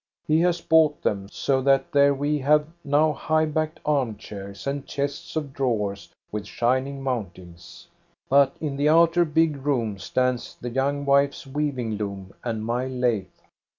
He has bought them, so that there we have now high backed arm chairs and chests of drawers with shining mountings. But in the outer big room stands the young wife's weaving loom and my lathe.